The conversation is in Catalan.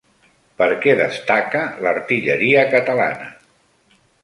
Per què destaca l'artilleria catalana?